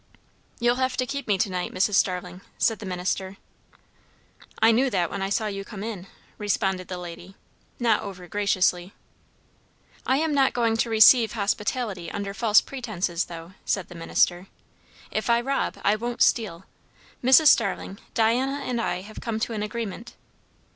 "You'll have to keep me to night, Mrs. Starling," said the minister. "I knew that when I saw you come in," responded the lady, not over graciously. "I am not going to receive hospitality under false pretences, though," said the minister. "If I rob, I won't steal. Mrs. Starling, Diana and I have come to an agreement."